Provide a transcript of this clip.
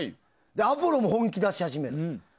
アポロも本気出し始めるの。